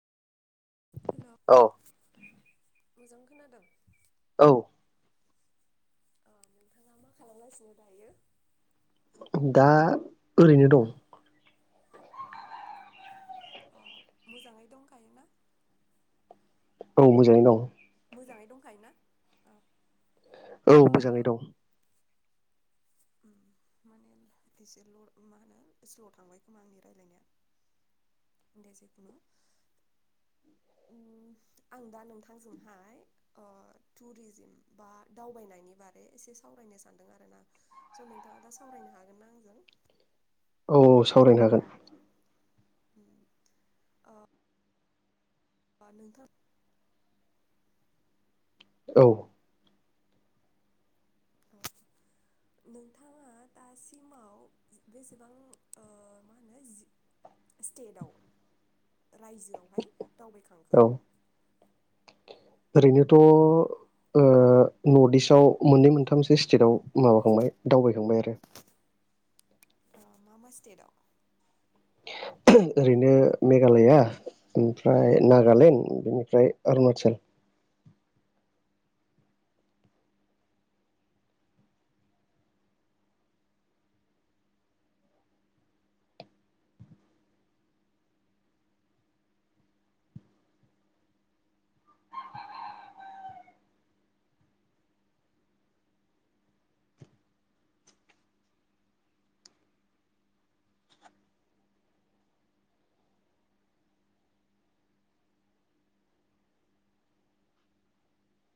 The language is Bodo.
हेल' औ। मोजां खोनादों। औ। अ नोंथाङा मा खालामगासिनो दायो? दा ओरैनो दं। अ मोजांङै दंखायोना? औ मोजाङै दं। मोजांङै दंखायोना? औ। औ मोजांङै दं। माने एसेल' मा होनो स्ल' थांबाय खोमा आंनि रायलायनाया दे जेखुनु। आं दा नोंथांजोंहाय ओ टुरिजिम बा दावबायनायनि बारै एसे सावरायनो सानदों आरो, ना स' नोंथाङा दा सावरायनो हागोनना आंजों? औ औ सावरायनो हागोन। ओ। बा नोंथां। औ। नोंथाङा दासिमाव बेसेबां ओ मा होनो जिस स्टेटआव रायजोआवहाय दावबायखांखो। औ ओरैनोथ ओ नर्थ इस्टआव मोननै मोनथामसो स्टेटाव माबाखांबाय दावबायखांबाय आरो। ओ मा मा स्टेटआव? ओरैनो मेघालया, ओमफ्राय नागालेण्ड, बिनिफ्राय अरुणाचल।